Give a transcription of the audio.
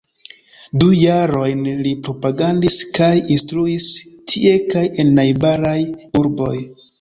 Du jarojn li propagandis kaj instruis tie kaj en najbaraj urboj.